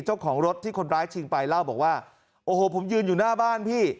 เจ้าของรถที่คนร้ายชิงไปเล่าบอกว่าโอ้โหผมยืนอยู่หน้าบ้านพี่